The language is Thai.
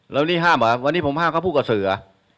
แล้วนี่ห้ามเหรอวันนี้ผมห้ามเขาพูดกับเสือ